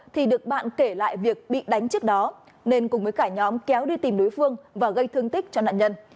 thì được bạn kể lại việc bị đánh trước đó nên cùng với cả nhóm kéo đi tìm đối phương và gây thương tích cho nạn nhân